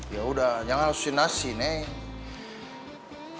ya udah jangan halusinasi neng